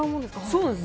そうです。